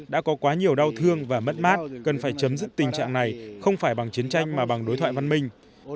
đã có quá nhiều đau thương và mất mát cần phải chấm dứt tình trạng này không phải bằng chiến tranh mà bằng đối thoại văn minh